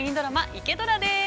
「イケドラ」です。